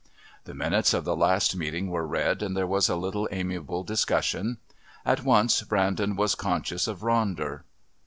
The minutes of the last meeting were read, and there was a little amiable discussion. At once Brandon was conscious of Ronder.